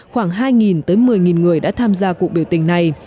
khoảng hai tới một mươi người đã tham gia cuộc biểu tình này